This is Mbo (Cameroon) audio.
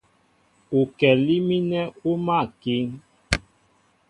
Ukɛlí mínɛ́ ú máál a kíŋ.